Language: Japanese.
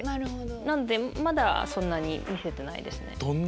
なんでまだそんなに見せてないです。